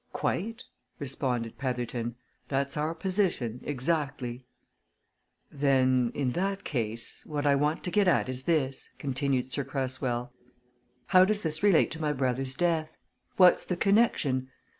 "Quite!" responded Petherton. "That's our position exactly." "Then in that case, what I want to get at is this," continued Sir Cresswell. "How does this relate to my brother's death? What's the connection?